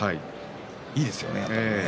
いいですよね。